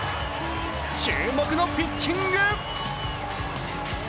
注目のピッチング。